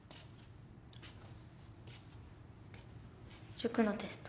塾のテスト。